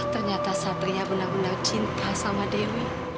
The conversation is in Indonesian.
ternyata satria benar benar cinta sama dewi